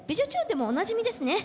でもおなじみですね。